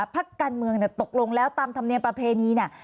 พักการเมืองตกลงแล้วตามธรรมเนียมประเพณีเนี่ย